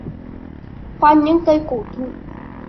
Qua những cái cây cổ thụ